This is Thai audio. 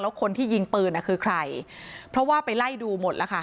แล้วคนที่ยิงปืนอ่ะคือใครเพราะว่าไปไล่ดูหมดแล้วค่ะ